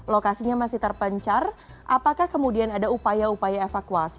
lokasinya masih terpencar apakah kemudian ada upaya upaya evakuasi